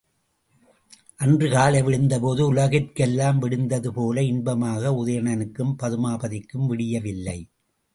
அன்று காலை விடிந்தபோது உலகிற் கெல்லாம் விடிந்ததுபோல இன்பமாக உதயணனுக்கும் பதுமாபதிக்கும் விடியவில்லை.